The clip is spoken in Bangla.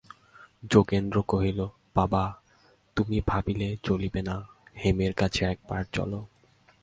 যোগেন্দ্র কহিল, বাবা, তুমি ভাবিলে চলিবে না, হেমের কাছে একবার চলো।